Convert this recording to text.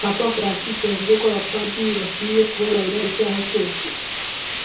Papa Francis yavuze ko abapadiri bakwiye kubabarira icyaha cyose